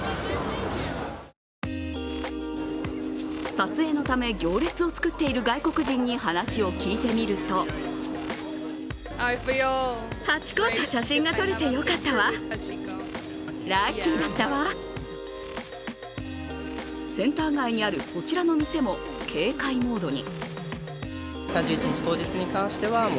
撮影のため行列を作っている外国人に話を聞いてみるとセンター街にあるこちらの店も警戒モードに。